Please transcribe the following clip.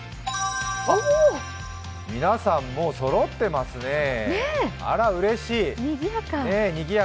あっ、皆さんもうそろってますね、あらうれしい。